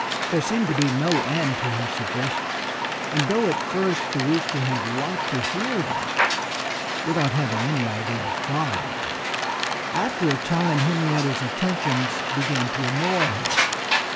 There seemed to be no end to her suggestions. And though at first the Rooster had liked to hear them (without having any idea of following them) after a time Henrietta's attentions began to annoy him.